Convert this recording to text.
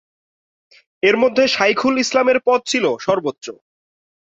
এর মধ্যে শাইখুল ইসলামের পদ ছিল সর্বোচ্চ।